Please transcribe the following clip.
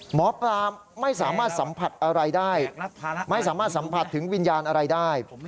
หมอปลาไม่สามารถสัมผัสอะไรได้ไม่สามารถสัมผัสถึงวิญญาณอะไรได้